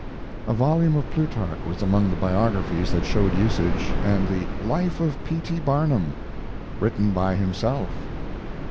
A volume of Plutarch was among the biographies that showed usage, and the Life of P. T. Barnum, Written by Himself.